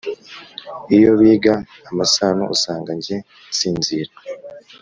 Iyo biga amasano Usanga jye nsinzira!